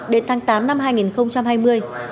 đến tháng tám năm hai nghìn hai mươi